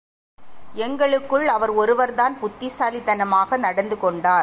எங்களுக்குள் அவர் ஒருவர் தான் புத்திசாலித்தனமாக நடந்து கொண்டார்.